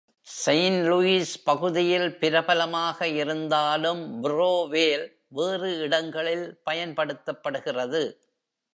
Saint Louis பகுதியில் பிரபலமாக இருந்தாலும், புரோவேல் வேறு இடங்களில் பயன்படுத்தப்படுகிறது.